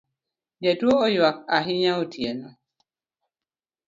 Jatuo oyuak ahinya otieno